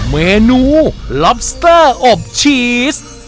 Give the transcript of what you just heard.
เมนูล็อบสเตอร์อบชีส